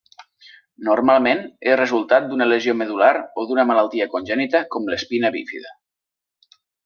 Normalment és resultat d'una lesió medul·lar o d'una malaltia congènita com l'espina bífida.